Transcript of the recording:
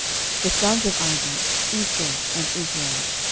The sons of Isaac; Esau and Israel.